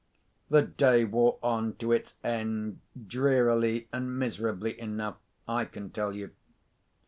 The day wore on to its end drearily and miserably enough, I can tell you.